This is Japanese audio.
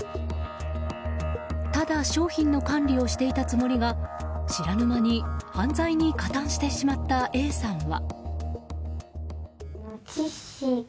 ただ商品の管理をしていたつもりが知らぬ間に犯罪に加担してしまったＡさんは。